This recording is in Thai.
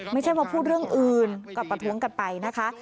ไม่ใช่มาพูดเรื่องอื่นก็ประท้วงกันไปนะคะ